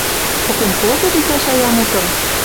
Попен колтет иктӓ шаям утым